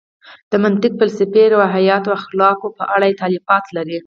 د منطق، فلسفې، روحیاتو او اخلاقو په اړه یې تالیفات لري.